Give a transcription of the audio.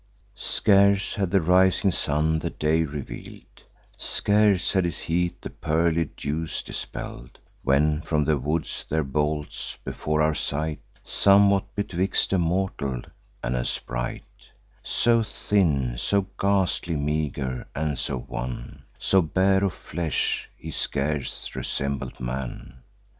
"Scarce had the rising sun the day reveal'd, Scarce had his heat the pearly dews dispell'd, When from the woods there bolts, before our sight, Somewhat betwixt a mortal and a sprite, So thin, so ghastly meager, and so wan, So bare of flesh, he scarce resembled man.